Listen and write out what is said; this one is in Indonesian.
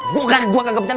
gue gak kebenaran